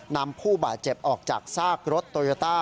นำผู้บาดเจ็บออกจากซากรถโตโยต้า